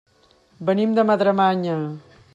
Venim de Madremanya.